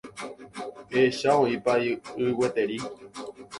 Ehecha oĩpa y gueteri.